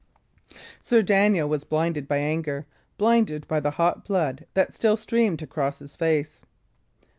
Sir Daniel was blinded by anger blinded by the hot blood that still streamed across his face.